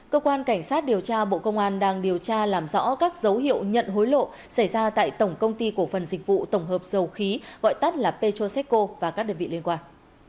cơ quan cảnh sát điều tra bộ công an đang điều tra làm rõ các dấu hiệu nhận hối lộ xảy ra tại tổng công ty cổ phần dịch vụ tổng hợp dầu khí gọi tắt là petroseco và các đơn vị liên quan